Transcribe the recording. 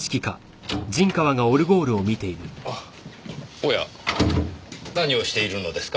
おや何をしているのですか？